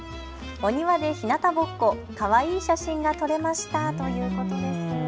お庭でひなたぼっこ、かわいい写真が撮れましたということです。